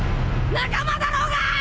仲間だろうが」